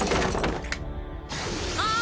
ああ！